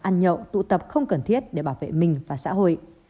ăn nhậu tụ tập không cần thiết để bảo vệ mình và xã hội